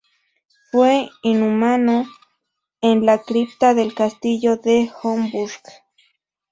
Fue inhumado en la cripta del castillo de Homburg.